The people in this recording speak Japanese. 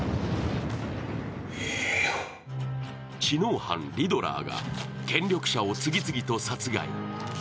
知能犯リドラーが権力者を次々と殺害。